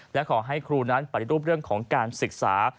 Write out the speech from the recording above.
และขอให้ครูนั้นปฏิรูปเรื่องของการศึกษา